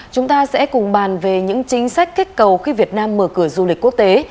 chúng ta sẽ cùng bàn về những chính sách kích cầu khi việt nam mở cửa du lịch quốc tế